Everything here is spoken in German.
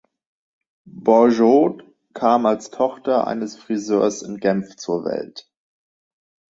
Borgeaud kam als Tochter eines Friseurs in Genf zur Welt.